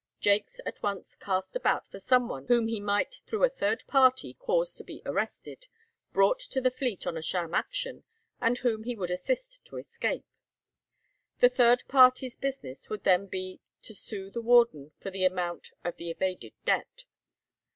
Jaques at once cast about for some one whom he might through a third party cause to be arrested, brought to the Fleet on a sham action, and whom he would assist to escape. The third party's business would then be to sue the warden for the amount of the evaded debt.